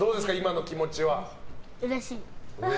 うれしい。